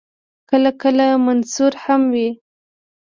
کله کله منثور هم وي.